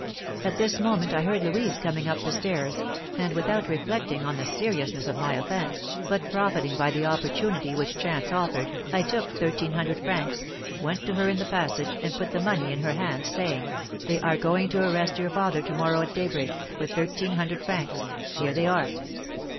At this moment I heard Louise coming up the stairs, and without reflecting on the seriousness of my offence, but profiting by the opportunity which chance offered, I took thirteen hundred francs, went to her in the passage, and put the money in her hand, saying, 'They are going to arrest your father to morrow at daybreak, for thirteen hundred francs, here they are.